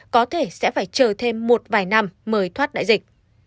có thể sẽ phải chờ thêm một vài năm mới thoát đại dịch